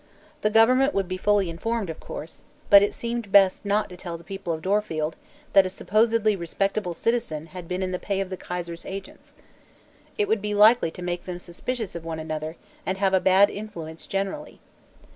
The government would be fully informed, of course, but it seemed best not to tell the people of Dorfield that a supposedly respectable citizen had been in the pay of the Kaiser's agents. It would be likely to make them suspicious of one another and have a bad influence generally.